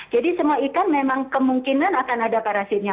jadi semua ikan memang kemungkinan akan ada parasitnya